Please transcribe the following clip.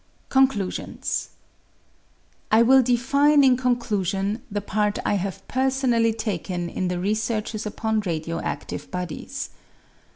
Coiicliisio)is. I will define, in conclusion, the part I have personally taken in the researches upon radio adive bodies.